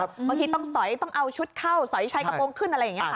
บางทีต้องสอยต้องเอาชุดเข้าสอยชายกระโปรงขึ้นอะไรอย่างนี้ค่ะ